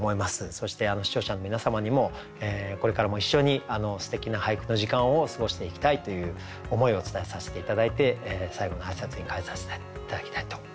そして視聴者の皆様にもこれからも一緒にすてきな俳句の時間を過ごしていきたいという思いを伝えさせて頂いて最後の挨拶に代えさせて頂きたいと思います。